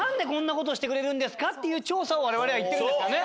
そしてっていう調査を我々は行ってるんですからね。